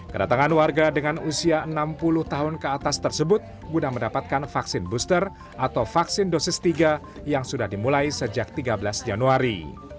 kedatangan warga dengan usia enam puluh tahun ke atas tersebut guna mendapatkan vaksin booster atau vaksin dosis tiga yang sudah dimulai sejak tiga belas januari